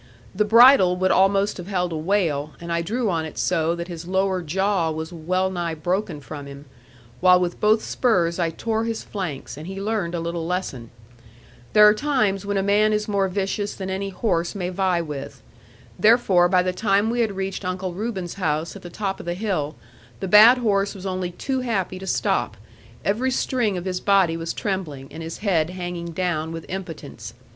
The bridle would almost have held a whale and I drew on it so that his lower jaw was well nigh broken from him; while with both spurs I tore his flanks, and he learned a little lesson. There are times when a man is more vicious than any horse may vie with. Therefore by the time we had reached Uncle Reuben's house at the top of the hill, the bad horse was only too happy to stop; every string of his body was trembling, and his head hanging down with impotence.